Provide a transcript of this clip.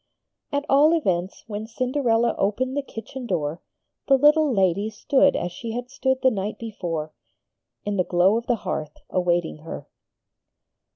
At all events when Cinderella opened the kitchen door the little lady stood as she had stood the night before, in the glow of the hearth, awaiting her.